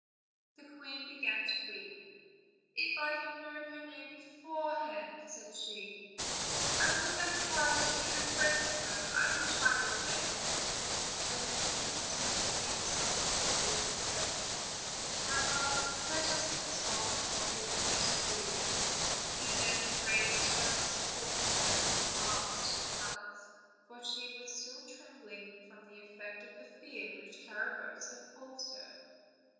The queen began to weep. "If I had known her name beforehand," said she, "I would have tried to make a friend of her: I wish I were dead." When the king saw the queen so afflicted, he said: "My love, let us consult on what we had better do/' He then raised her and supported her in his arms to the palace, for she still trembled from the effect of the fear which Carabosse. had caused her.